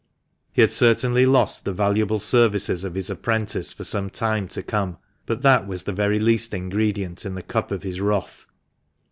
He had certainly lost the valuable services of his apprentice for some time to come ; but that was the very least ingredient in the cup of his wrath.